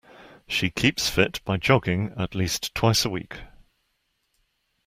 She keeps fit by jogging at least twice a week.